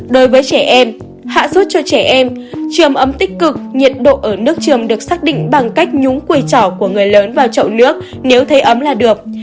đối với trẻ em hạ rốt cho trẻ em trường ấm tích cực nhiệt độ ở nước trường được xác định bằng cách nhúng quầy trỏ của người lớn vào trậu nước nếu thấy ấm là được